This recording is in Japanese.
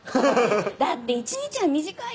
だって一日は短いから。